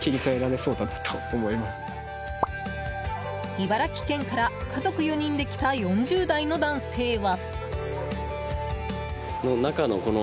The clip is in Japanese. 茨城県から家族４人で来た４０代の男性は。